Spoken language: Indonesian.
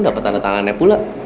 dapet tanda tangannya pula